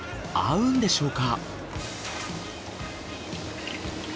合うんでしょうか？